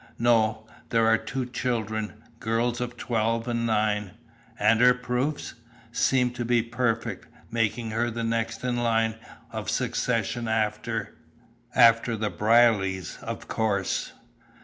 "No; there are two children; girls of twelve and nine." "And her proofs?" "Seem to be perfect, making her the next in line of succession after " "After the Brierlys, of course."